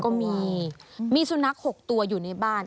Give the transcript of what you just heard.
ก็มีมีสุนัข๖ตัวอยู่ในบ้าน